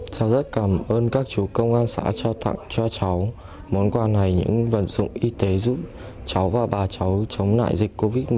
cháu rất cảm ơn các chú công an xã trao tặng cho cháu món quà này những vật dụng y tế giúp cháu và bà cháu chống lại dịch covid một mươi chín